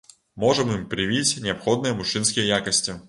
Можам ім прывіць неабходныя мужчынскія якасці.